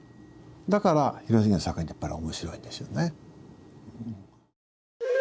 だから広重の作品ってやっぱり面白いんでしょうね。